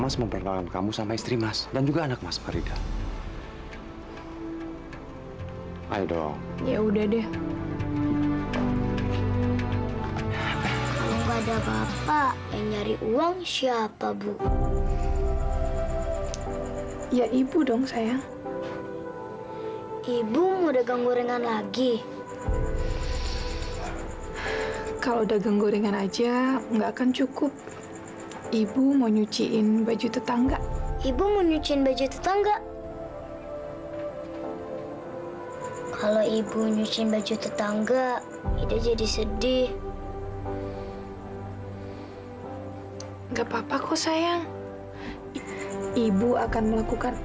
sampai jumpa di video selanjutnya